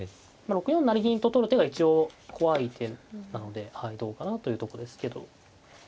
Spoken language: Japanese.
６四成銀と取る手が一応怖い手なのでどうかなというとこですけど。